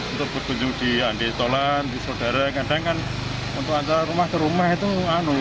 untuk berkunjung di andi tolan di saudara kadangkan untuk antar rumah rumah itu anu